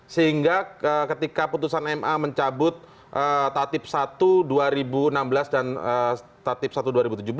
sehingga ketika putusan ma mencabut tatip satu dua ribu enam belas dan tatip satu dua ribu tujuh belas